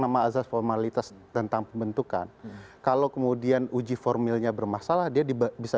nama azaz formalitas tentang pembentukan kalau kemudian uji formilnya bermasalah dia bisa